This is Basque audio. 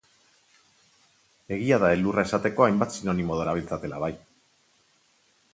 Egia da elurra esateko hainbat sinonimo darabiltzatela, bai.